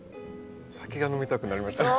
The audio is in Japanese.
お酒が飲みたくなりますね。